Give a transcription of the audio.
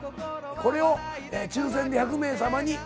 これを抽選で１００名さまに。